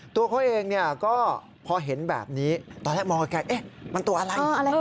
ตัวเขาเองก็พอเห็นแบบนี้ตอนแรกมองไกลมันตัวอะไร